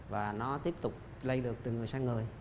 và nó tiếp tục lây được từ người sang người